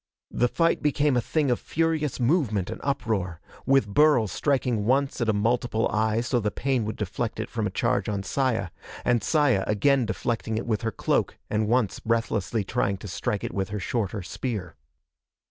The fight became a thing of furious movement and uproar, with Burl striking once at a multiple eye so the pain would deflect it from a charge on Saya, and Saya again deflecting it with her cloak and once breathlessly trying to strike it with her shorter spear.